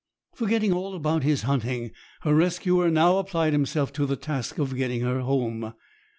Forgetting all about his hunting, her rescuer now applied himself to the task of getting her home.